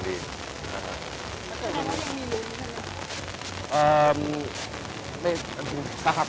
คือเราคุยกันเหมือนเดิมตลอดเวลาอยู่แล้วไม่ได้มีอะไรสูงแรง